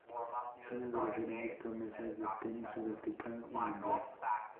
Es una de las grandes promesas del tenis sudafricano y mundial.